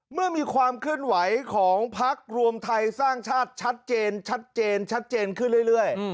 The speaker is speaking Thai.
เมื่อมีความเคลื่อนไหวของพักรวมไทยสร้างชาติชัดเจนชัดเจนชัดเจนขึ้นเรื่อย